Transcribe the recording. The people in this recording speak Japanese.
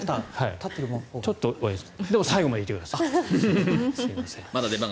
でも最後までいてください。